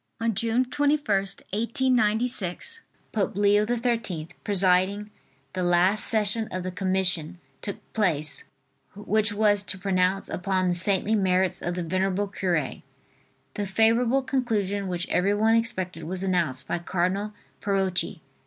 On June 21st, 1896, Pope Leo XIII, presiding, the last session of the commission took place, which was to pronounce upon the saintly merits of the venerable cure. The favorable conclusion which everyone expected was announced by Cardinal Parocchi.